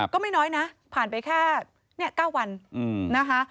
ก็ไม่น้อยนะผ่านไปแค่๙วันนะคะ